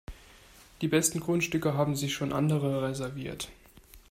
Die besten Grundstücke haben sich schon andere reserviert.